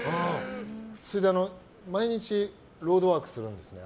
それで毎日ロードワークするんです。